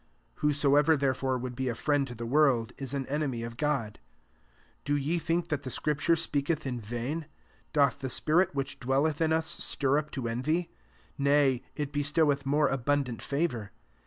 Whosoever therefore would be a friend to the world, is an enemy of God. 5 Do ye think that the scrip ture speaketh in vain ? Doth the spirit which dwelleth in us stir up to envy ? 6 Nay, it be stoweth more abundant favour.